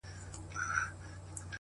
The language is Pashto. یو مرګ به تدریجي وي دا به لویه فاجعه وي,